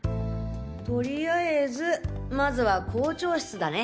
とりあえずまずは校長室だね。